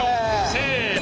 せの。